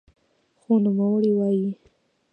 خو نوموړی وايي